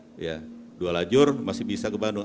artinya kita dua lajur dan masih bisa ke bandung